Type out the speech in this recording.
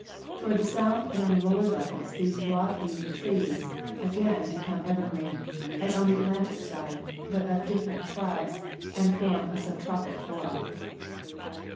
Toward the south and on the lower levels these broad leaved trees again become ever green, as on the Atlantic side, but of different tribes, and form a subtropic flora.